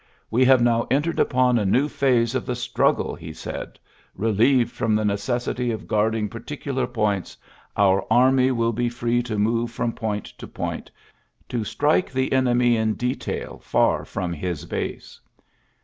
"We hai now entered upon a new phase of tt struggle," he said. " Believed from tl necessity of guarding particular point our army will be free to move fro: XK>int to pointy to strike the enemy J detail fieur from his base."